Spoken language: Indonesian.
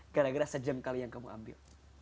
gara gara sejengkal yang kamu ambil